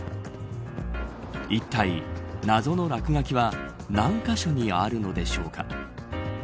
いったい謎の落書きは何カ所にあるのでしょうか。